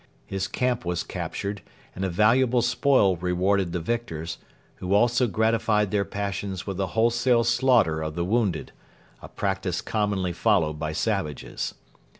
His camp was captured, and a valuable spoil rewarded the victors, who also gratified their passions with a wholesale slaughter of the wounded a practice commonly followed by savages.